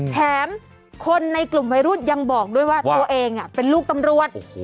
แถมคนในกลุ่มวัยรุ่นยังบอกด้วยว่าตัวเองเป็นลูกตำรวจ